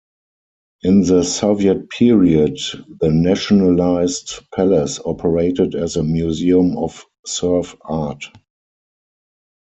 In the Soviet period the nationalized palace operated as a museum of serf art.